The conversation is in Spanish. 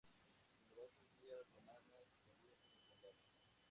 Numerosas vías romanas atraviesan el condado.